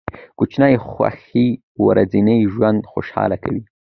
کوچني خوښۍ ورځنی ژوند خوشحاله کوي.